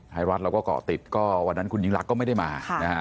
ไทยรัฐเราก็เกาะติดก็วันนั้นคุณยิ่งรักก็ไม่ได้มานะฮะ